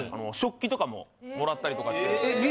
食器とかも貰ったりとかして。